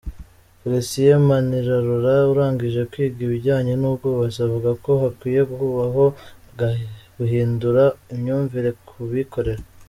Felicien Manirarora, urangije kwiga ibijyanye n’ubwubatsi avuga ko hakwiye kubaho guhindura imyumvire kubikorera.